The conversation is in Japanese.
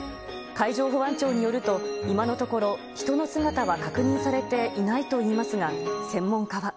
海上保安庁によると、今のところ、人の姿は確認されていないといいますが、専門家は。